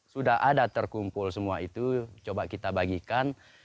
sudah ada terkumpul semua itu coba kita bagikan